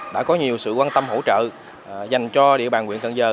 đã có nhiều sự quan tâm hỗ trợ dành cho địa bàn nguyễn cận giờ